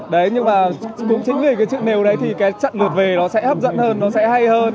đấy nhưng mà cũng chính vì cái chuyện nếu đấy thì cái trận lượt về nó sẽ hấp dẫn hơn nó sẽ hay hơn